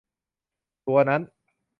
ตัวนั้น